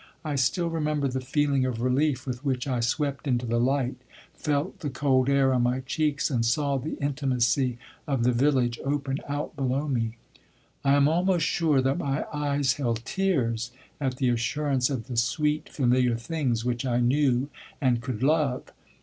I still remember the feeling of relief with which I swept into the light, felt the cold air on my cheeks, and saw the intimacy of the village open out below me. I am almost sure that my eyes held tears at the assurance of the sweet, familiar things which I knew and could love.